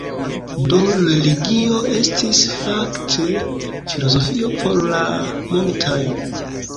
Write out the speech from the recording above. Do religio estis fakte filozofio por la multaj.